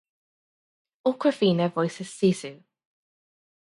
Awkwafina voices Sisu.